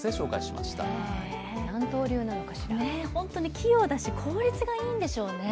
器用だし、効率がいいんでしょうね。